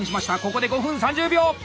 ここで５分３０秒！